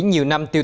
nhiều năm sau